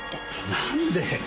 何で！